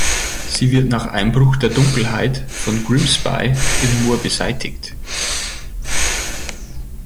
Sie wird nach Einbruch der Dunkelheit von Grimsby im Moor beseitigt.